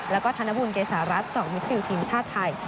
แล้วก็ธนบุญเกษารัฐ๒มิดฟิลทีมชาติไทย